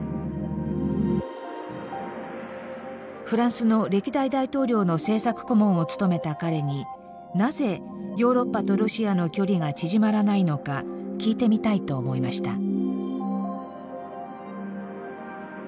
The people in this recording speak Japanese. フランスの歴代大統領の政策顧問を務めた彼になぜヨーロッパとロシアの距離が縮まらないのか聞いてみたいと思いました。